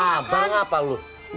pak demang makan dulu dong